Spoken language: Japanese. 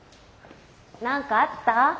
何かあった？